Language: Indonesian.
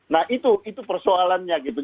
nah itu persoalannya gitu